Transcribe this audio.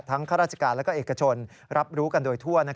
ข้าราชการและเอกชนรับรู้กันโดยทั่ว